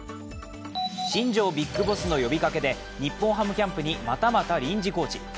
新庄ビッグボスの呼びかけで日本ハムキャンプに、またまた臨時コーチ。